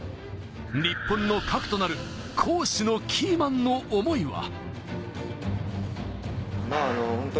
日本の核となる攻守のキーマンの思いは。